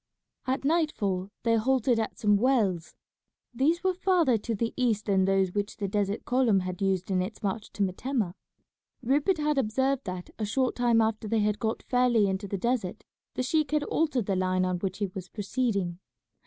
At nightfall they halted at some wells. These were farther to the east than those which the desert column had used in its march to Metemmeh. Rupert had observed that a short time after they had got fairly into the desert the sheik had altered the line on which he was proceeding.